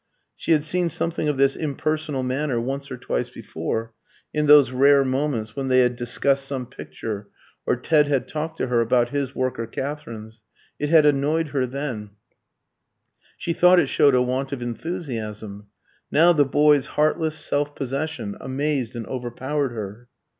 She had seen something of this impersonal manner once or twice before, in those rare moments when they had discussed some picture, or Ted had talked to her about his work or Katherine's. It had annoyed her then; she thought it showed a want of enthusiasm. Now the boy's heartless self possession amazed and overpowered her.